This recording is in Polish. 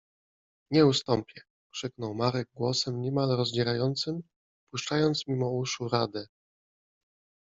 — Nie ustąpię! — krzyknął Marek głosem niemal rozdzierającym, puszczając mimo uszu radę.